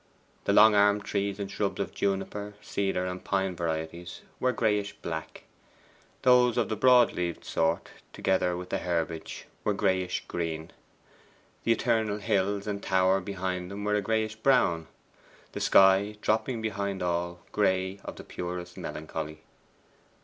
The long armed trees and shrubs of juniper, cedar, and pine varieties, were grayish black; those of the broad leaved sort, together with the herbage, were grayish green; the eternal hills and tower behind them were grayish brown; the sky, dropping behind all, gray of the purest melancholy.